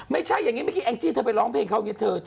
ไม่ใช่อย่างงี้แองจิเธอไปร้องเพลงเขาอย่างงี้เถอะ